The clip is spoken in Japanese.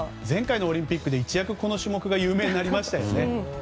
前回のオリンピックで一躍、この種目が有名になりましたよね。